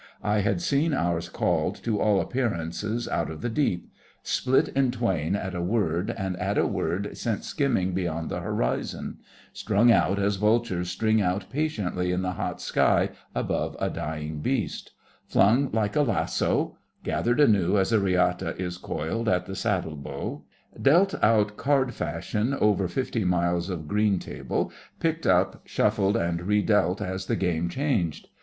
I had seen ours called, to all appearance, out of the deep; split in twain at a word, and, at a word, sent skimming beyond the horizon; strung out as vultures string out patiently in the hot sky above a dying beast; flung like a lasso; gathered anew as a riata is coiled at the saddle bow; dealt out card fashion over fifty miles of green table; picked up, shuffled, and redealt as the game changed.